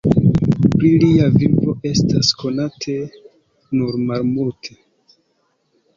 Pri lia vivo estas konate nur malmulte.